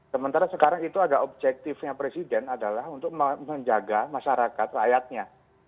sementara sekarang itu ada objektifnya presiden adalah untuk menjaga masyarakat rakyatnya